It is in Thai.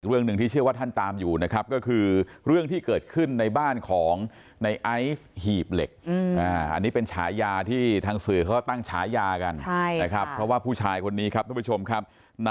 เรื่องหนึ่งที่เชื่อว่าท่านตามอยู่นะครับก็คือเรื่องที่เกิดขึ้นในบ้านของในไอซ์หีบเหล็กอันนี้เป็นฉายาที่ทางสื่อเขาตั้งฉายากันนะครับเพราะว่าผู้ชายคนนี้ครับทุกผู้ชมครับ